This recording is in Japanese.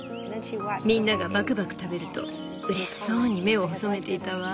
みんながバクバク食べるとうれしそうに目を細めていたわ。